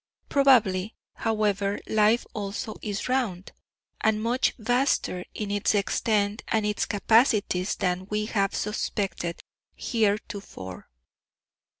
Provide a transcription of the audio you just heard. Probably, however, life also is round, and much vaster in its extent and its capacities than we have suspected heretofore.